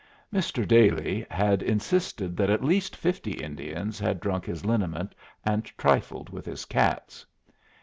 Mr. Dailey had insisted that at least fifty Indians had drunk his liniment and trifled with his cats.